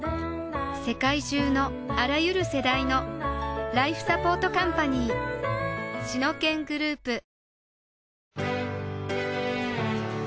世界中のあらゆる世代のライフサポートカンパニーシノケングループ